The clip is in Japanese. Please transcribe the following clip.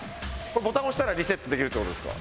これボタン押したらリセットできるって事ですか？